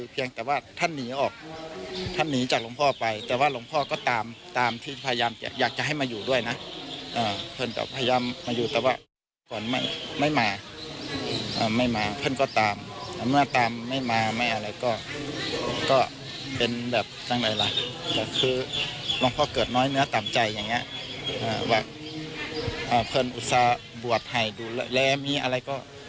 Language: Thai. เพิ่มอุตสาห์บวชไทยดูแลมีอะไรก็ให้ทุกอย่างค่ะนะแต่ว่ามีเพิ่มไปยังเสีย